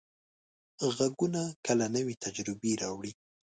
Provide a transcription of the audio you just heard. غږونه کله نوې تجربې راوړي.